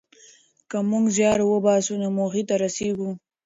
که موږ زیار وباسو نو موخې ته رسېږو.